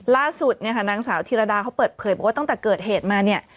ล่าสุดนางสาวธิรดาเขาเปิดเผยบอกว่าตั้งแต่เกิดเหตุมา